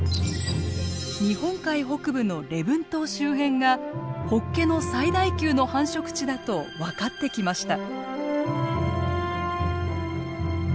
日本海北部の礼文島周辺がホッケの最大級の繁殖地だと分かってきました。